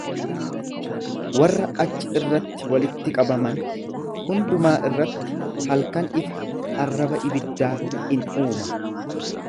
Warra achi irratti walitti qabaman hundumaa irratti halkan ifa arraba ibiddaa in uuma.